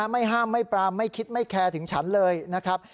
ไม่ห้ามไม่ปรามไม่คิดไม่แคร์ถึงฉันเลยนะครับ